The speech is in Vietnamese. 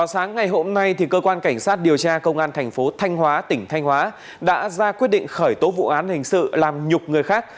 sáng ngày hôm nay cơ quan cảnh sát điều tra công an thành phố thanh hóa tỉnh thanh hóa đã ra quyết định khởi tố vụ án hình sự làm nhục người khác